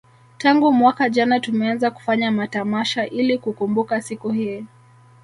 Tangu mwaka jana tumeanza kufanya matamasha ili kukumbuka siku hii